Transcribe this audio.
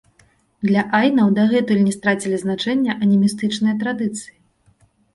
Для айнаў дагэтуль не страцілі значэння анімістычныя традыцыі.